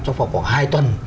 cho khoảng hai tuần